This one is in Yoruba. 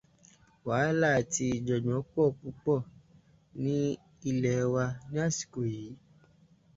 Wàhálà àti ìjọ̀ngbọ̀n pọ̀ púpọ̀ ní ilẹ̀ wa ní àsìkò yìí.